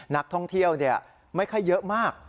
นักท่องเที่ยวไม่ค่อยเยอะมาก